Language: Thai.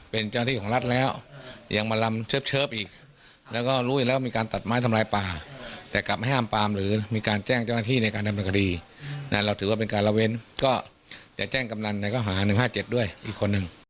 ไปอีกคนหนึ่ง